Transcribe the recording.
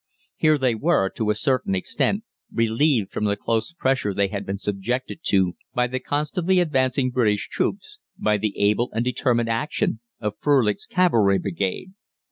Here they were, to a certain extent, relieved from the close pressure they had been subjected to by the constantly advancing British troops, by the able and determined action of Frölich's Cavalry Brigade.